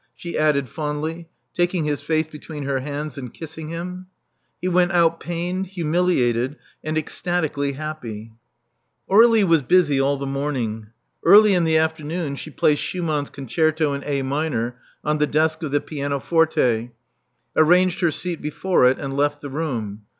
she added fondly, taking his face between her hands, and kissing him. He went out pained, humiliated, and ecstatically happy. Aur^lie was busy all the morning. Early in the afternoon she placed Schumann's concerto in A minor on the desk of the pianoforte; arranged her seat be fore it; and left the room.